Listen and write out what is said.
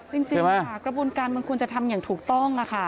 จริงจากกระบวนการคุณจะทำอย่างถูกต้อง